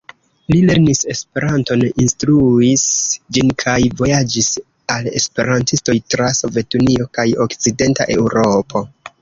Li lernis Esperanton, instruis ĝin kaj vojaĝis al esperantistoj tra Sovetunio kaj okcidenta Eŭropo.